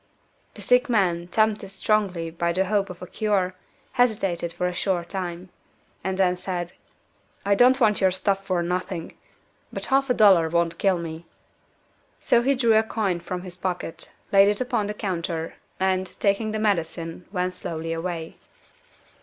The sick man, tempted strongly by the hope of a cure, hesitated for a short time, and then said "I don't want your stuff for nothing. But half a dollar won't kill me." So he drew a coin from his pocket, laid it upon the counter, and, taking the medicine, went slowly away.